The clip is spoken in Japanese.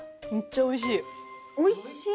おいしい？